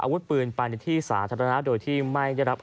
อาวุธปืนไปในที่สาธารณะโดยที่ไม่ได้รับ